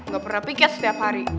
gak pernah pikir setiap hari